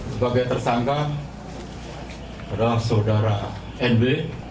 sebagai tersangka adalah saudara nb